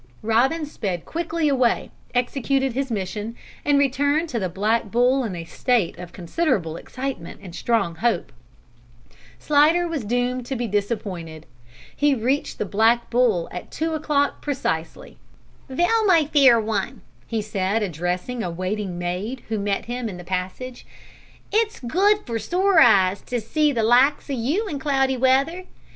Robin sped quickly away, executed his mission, and returned to the Black Bull in a state of considerable excitement and strong hope. Slidder was doomed to disappointment. He reached the Black Bull at two o'clock precisely. "Vell, my fair one," he said, addressing a waiting maid who met him in the passage, "it's good for sore eyes to see the likes o' you in cloudy weather.